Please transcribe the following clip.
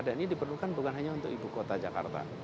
dan ini diperlukan bukan hanya untuk ibu kota jakarta